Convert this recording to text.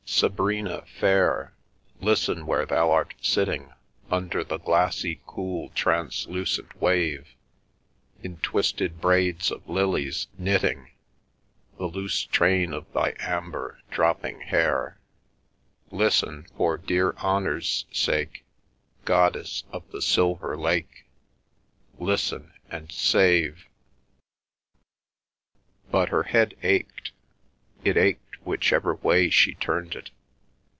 Sabrina fair, Listen where thou art sitting Under the glassy, cool, translucent wave, In twisted braids of lilies knitting The loose train of thy amber dropping hair, Listen for dear honour's sake, Goddess of the silver lake, Listen and save! But her head ached; it ached whichever way she turned it.